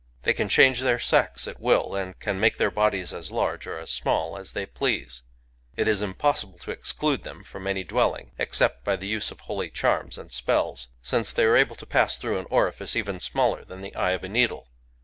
They can change their sex at will, and can make their bodies as large or as small as they please. It is impossible to exclude them from any dwell ing, except by the use of holy charms and spells, since they are able to pass through an orifice even smaller than the eye of a needle.